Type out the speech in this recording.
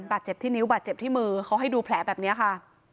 บาดเจ็บที่นิ้วบาดเจ็บที่มือเขาให้ดูแผลแบบนี้ค่ะ